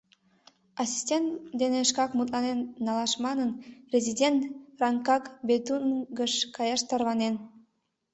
Ассистент дене шкак мутланен налаш манын, резидент Рангкас-Бетунгыш каяш тарванен.